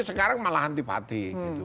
sekarang malah antipati